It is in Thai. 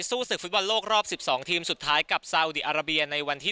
ศึกฟุตบอลโลกรอบ๑๒ทีมสุดท้ายกับซาอุดีอาราเบียในวันที่